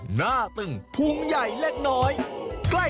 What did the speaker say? หน้าตึงพุงใหญ่เล็กน้อย